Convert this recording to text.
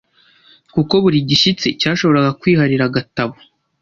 Kuko buri "gishyitsi" cyashobora kwiharira agatabo.